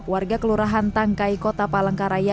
warga kelurahan tangkai kota palangkaraya